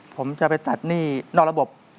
ผมจะไปตัดหนี้นอกระบบ